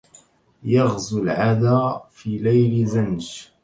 يغزو العدا في ليل زنج